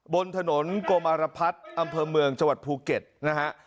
บนถนนโกมารพัฒน์อำเภอเมืองจังหวัดภูเก็ตนะฮะ